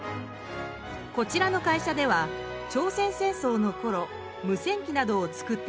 こちらの会社では朝鮮戦争のころ無線機などを作っていました。